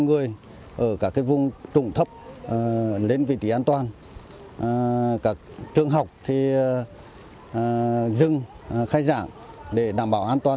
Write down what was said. người ở các vùng trụng thấp lên vị trí an toàn các trường học thì dừng khai giảng để đảm bảo an toàn